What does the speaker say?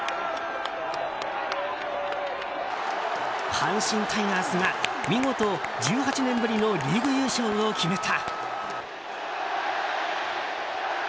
阪神タイガースが見事、１８年ぶりのリーグ優勝を決めた！